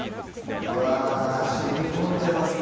うわぁしみこんでますね